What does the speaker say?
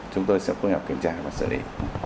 chúng tôi sẽ khuyến khắc kiểm tra và xử lý